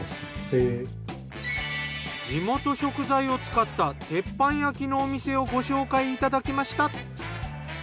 地元食材を使った鉄板焼きのお店をご紹介いただきました。